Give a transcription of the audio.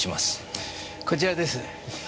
こちらです。